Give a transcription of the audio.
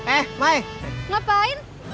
eh mai ngapain